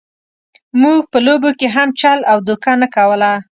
موږ په لوبو کې هم چل او دوکه نه کوله.